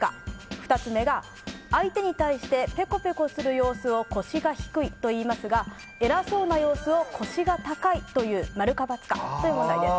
２つ目が、相手に対してぺこぺこする様子を腰が低いといいますが偉そうな様子を腰が高いという〇か×かという問題です。